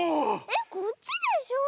えっこっちでしょ。